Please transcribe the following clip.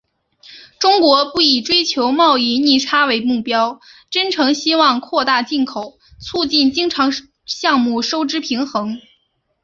中国不以追求贸易逆差为目标，真诚希望扩大进口，促进经常项目收支平衡。